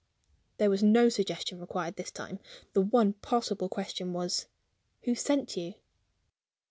There was no suggestion required this time. The one possible question was: "Who sent you?"